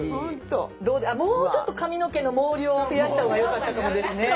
もうちょっと髪の毛の毛量を増やした方がよかったかもですね。